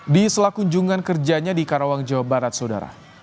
di selakunjungan kerjanya di karawang jawa barat saudara